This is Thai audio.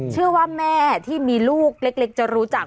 เชื่อว่าแม่ที่มีลูกเล็กจะรู้จัก